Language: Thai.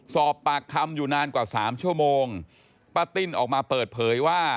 สอบปากคำอยู่นานกว่าสามชั่วโมงป้าติ้นออกมาเปิดเผยว่า